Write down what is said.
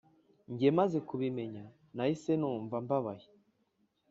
Njye maze kubimenya nahise numva mbabaye